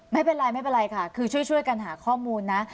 ไม่เป็นไรไม่เป็นไรค่ะคือช่วยกันหาข้อมูลนะ